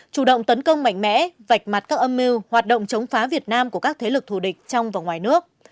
chủ động tấn công mạnh mẽ vạch mặt các âm mưu hoạt động chống phá việt nam của các thế lực thù địch trong và ngoài nước